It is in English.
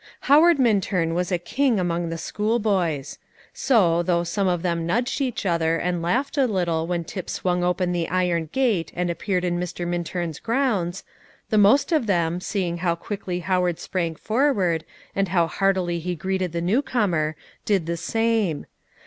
Howard Minturn was a king among the schoolboys; so, though some of them nudged each other and laughed a little when Tip swung open the iron gate and appeared in Mr. Minturn's grounds, the most of them, seeing how quickly Howard sprang forward, and how heartily he greeted the newcomer, did the same.